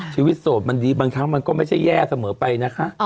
โสดมันดีบางครั้งมันก็ไม่ใช่แย่เสมอไปนะคะ